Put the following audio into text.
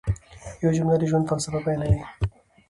یوه جمله د ژوند فلسفه بیانوي.